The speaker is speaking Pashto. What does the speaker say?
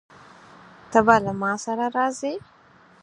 ته به له ما سره راځې؟